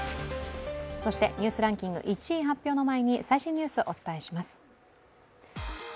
そして、「ニュースランキング」１位発表の前に最新ニュース、お伝えします。